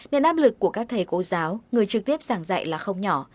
nên áp lực của các thầy cô giáo người trực tiếp giảng dạy là không nhỏ